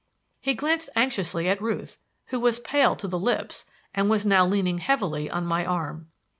He glanced anxiously at Ruth, who was pale to the lips and was now leaning heavily on my arm.